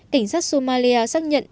cảnh sát somalia xác nhận